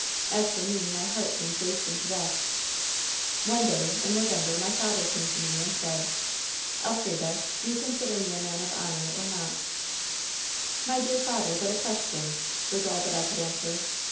Am for me, my heart seemed wasting to death. 224 WHEN SHADOWS DEE "One day in November my father came to me, and Baid: " ^Elfrida, do you consider me a man of honor, or not?' " 'My dear father, what a question !' was all that I could answer.